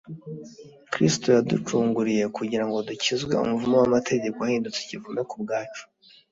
“kristo yaducunguriye kugira ngo dukizwe umuvumo w’amategeko, ahindutse ikivume ku bwacu”